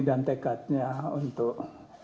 dan tekatnya untuk